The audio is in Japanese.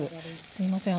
すいません。